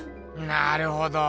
なるほど。